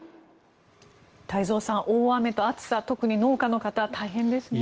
太蔵さん、大雨と暑さ特に農家の方は大変ですね。